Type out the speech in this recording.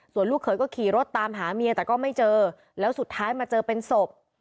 ส่วนลูกเขยก็ขี่รถตามหาเมียแต่ก็ไม่เจอแล้วสุดท้ายมาเจอเป็นศพ